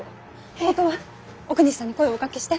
ことはおくにさんに声をおかけして。